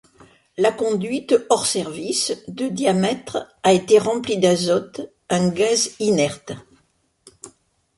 La conduite hors service, de de diamètre, a été remplie d'azote, un gaz inerte.